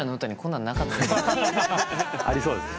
ありそうですね。